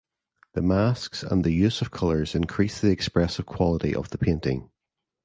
The masks and the use of colours increase the expressive quality of the painting.